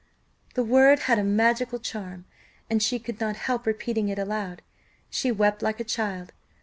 The word had a magical charm, and she could not help repeating it aloud she wept like a child.